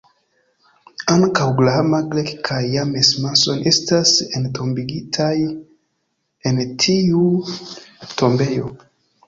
Ankaŭ Graham Greene kaj James Mason estas entombigitaj en tiu tombejo.